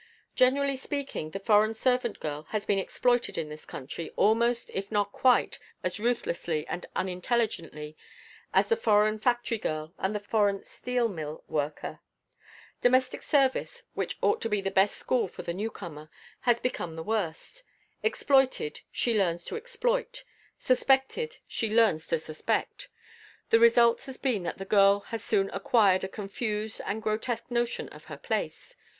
Generally speaking, the foreign servant girl has been exploited in this country almost if not quite as ruthlessly and unintelligently as the foreign factory girl and the foreign steel mill worker. Domestic service, which ought to be the best school for the newcomer, has become the worst; exploited, she learns to exploit; suspected, she learns to suspect. The result has been that the girl has soon acquired a confused and grotesque notion of her place.